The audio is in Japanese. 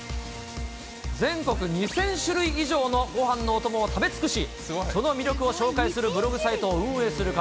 全国２０００種類以上のごはんのお供を食べ尽くし、その魅力を紹介するブログサイトを運営する方。